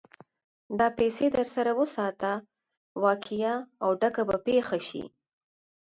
دا پيسې در سره وساته؛ واقعه او ډکه به پېښه شي.